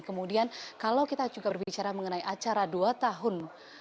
kemudian kalau kita juga berbicara mengenai acara dua tahun